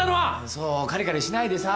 そうカリカリしないでさ。